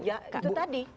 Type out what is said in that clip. ya itu tadi